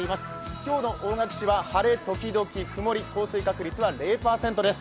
今日の大垣市は晴れ時々曇り降水確率は０％です。